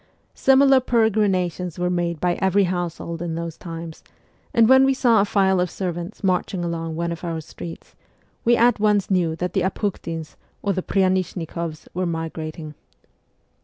Similar peregrinations were made by every household in those times, and when we saw a file of servants marching along one of our streets, we at once knew that the Apukhtins or the Pryanishnikoffs were migrating.